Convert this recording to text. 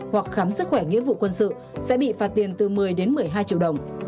hoặc khám sức khỏe nghĩa vụ quân sự sẽ bị phạt tiền từ một mươi đến một mươi hai triệu đồng